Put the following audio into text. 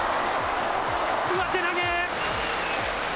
上手投げ。